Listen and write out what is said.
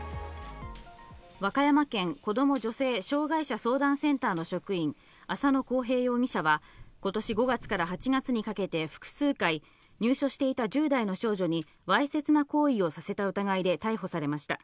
「和歌山県子ども・女性・障害者相談センター」の職員・浅野紘平容疑者は、今年５月から８月にかけて複数回、入所していた１０代の少女にわいせつな行為をさせた疑いで逮捕されました。